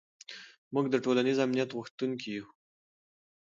موږ د ټولنیز امنیت غوښتونکي یو.